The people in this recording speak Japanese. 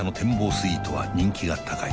スイートは人気が高い